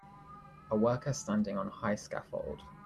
A worker standing on a high scaffold.